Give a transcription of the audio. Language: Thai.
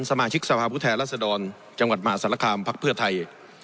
สมาชิกสภาพุทธแห่งราษฎรจังหวัดหมาสรรคามพรรคเพื่อไทย